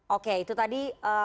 oke itu tadi